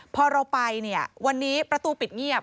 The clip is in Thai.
พอเราไปเนี่ยวันนี้ประตูปิดเงียบ